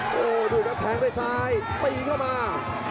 โอ้โหดูครับแทงด้วยซ้ายตีเข้ามา